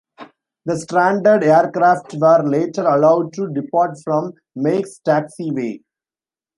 The stranded aircraft were later allowed to depart from Meigs' taxiway.